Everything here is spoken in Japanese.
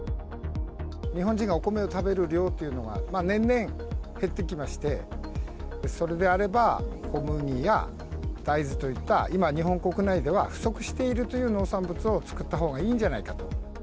日本人がお米を食べる量っていうのが、年々減ってきまして、それであれば、小麦や大豆といった、今日本国内では不足しているという農産物を作ったほうがいいんじ